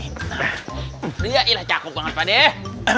iya cakup banget pak deh